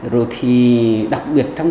rồi thì đặc biệt trong